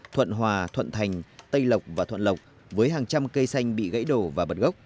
thuận hòa thuận thành tây lộc và thuận lộc với hàng trăm cây xanh bị gãy đổ và bật gốc